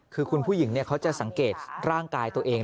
คือคุณผู้หญิงเขาจะสังเกตร่างกายตัวเอง